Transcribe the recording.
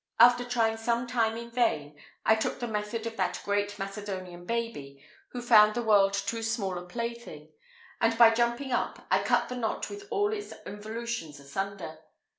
After trying some time in vain, I took the method of that great Macedonian baby, who found the world too small a plaything, and by jumping up, I cut the knot with all its involutions asunder.